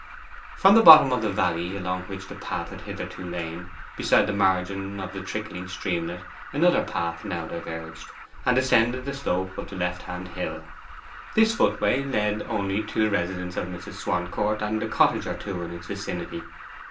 From the bottom of the valley, along which the path had hitherto lain, beside the margin of the trickling streamlet, another path now diverged, and ascended the slope of the left hand hill. This footway led only to the residence of Mrs. Swancourt and a cottage or two in its vicinity.